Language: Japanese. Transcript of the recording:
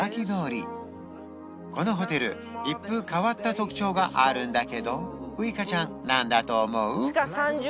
このホテル一風変わった特徴があるんだけどウイカちゃん何だと思う？